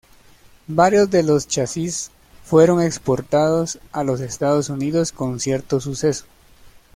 Varios de los chasis fueron exportados a los Estados Unidos con cierto suceso.